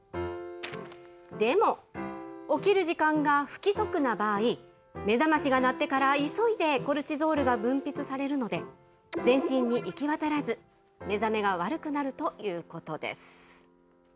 でも、起きる時間が不規則な場合、目覚ましが鳴ってから急いでコルチゾールが分泌されるので、全身に行きわたらず、目覚めが悪くなるということです。